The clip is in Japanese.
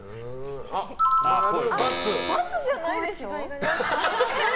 ×じゃないでしょ！